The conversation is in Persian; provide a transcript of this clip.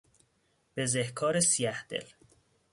بزهکار سیهدل